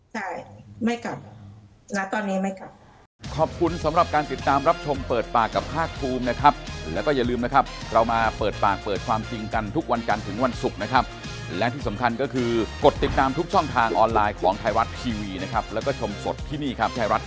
ใช่ไม่กลับณตอนนี้ไม่กลับ